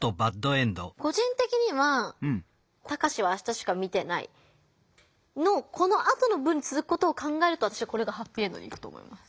個人的には「タカシは明日しか見てない」のこのあとの文につづくことを考えるとこれがハッピーエンドにいくと思います。